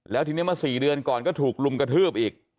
แล้วทีนี้มา๔เดือนก่อนก็ถูกลุมกระทืบอีก